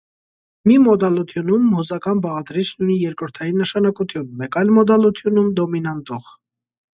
Մի մոդալությունում հուզական բաղադրիչն ունի երկրորդային նշանակություն, մեկ այլ մոդալությունում՝ դոմինանտող։